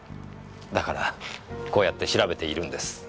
だからこうやって調べているんです。